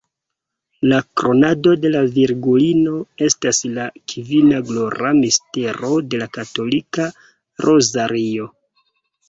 La "Kronado de la Virgulino" estas la kvina glora mistero de la katolika rozario.